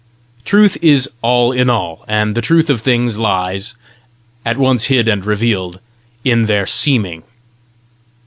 Truth is all in all; and the truth of things lies, at once hid and revealed, in their seeming."